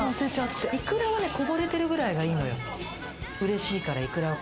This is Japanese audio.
イクラはこぼれてるくらいがいいのよ。